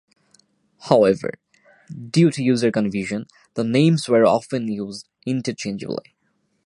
However, due to user confusion, the names were often used interchangeably.